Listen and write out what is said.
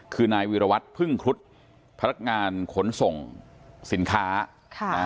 คือนายเวียระวัติพึ่งครุฑพนักงานขนส่งสินค้า